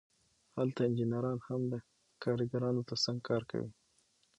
هلته انجینران هم د کارګرانو ترڅنګ کار کوي